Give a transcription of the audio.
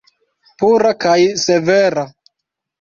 Pura kaj severa.